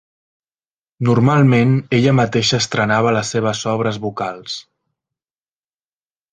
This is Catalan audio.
Normalment ella mateixa estrenava les seves obres vocals.